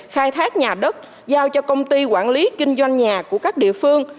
khai thác nhà đất giao cho công ty quản lý kinh doanh nhà của các địa phương